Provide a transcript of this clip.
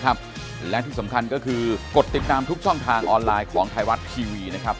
ครับวันนี้ขอบคุณอาจารย์สมใจครับ